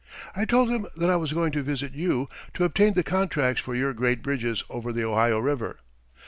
"I told him that I was going to visit you to obtain the contracts for your great bridges over the Ohio River.